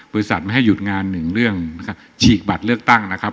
บริษัทไม่ให้หยุดงานหนึ่งเรื่องนะครับฉีกบัตรเลือกตั้งนะครับ